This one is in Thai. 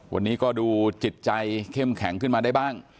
วันนี้ก็ดูจิตใจเข้มแข็งขึ้นมาได้บ้าง